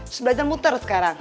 terus belajar muter sekarang